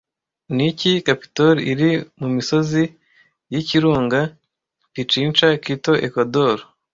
Niki capitol iri mumisozi yikirunga Pichincha Quito Ecuador